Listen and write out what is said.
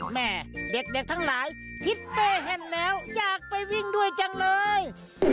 แม่เด็กทั้งหลายทิศเป้เห็นแล้วอยากไปวิ่งด้วยจังเลย